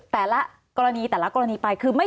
สวัสดีครับทุกคน